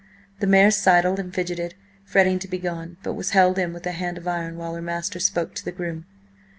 The mare sidled and fidgeted, fretting to be gone, but was held in with a hand of iron while her master spoke to the groom.